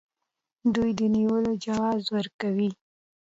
دوی د نیولو جواز ورکوي.